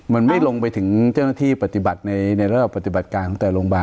มันไม่ลงไปถึงเจ้าหน้าที่ปฏิบัติในระดับปฏิบัติการของแต่โรงพยาบาล